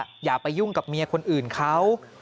อย่าไปยุ่งกับเมียคนอื่นเขา